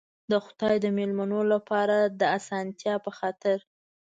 د خدای د مېلمنو لپاره د آسانتیا په خاطر.